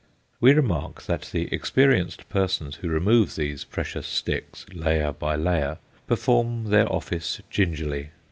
We remark that the experienced persons who remove these precious sticks, layer by layer, perform their office gingerly.